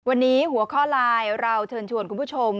วันนี้หัวข้อไลน์เราเชิญชวนคุณผู้ชม